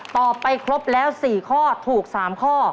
ตอบไปครบแล้ว๔ข้อถูก๓ข้อ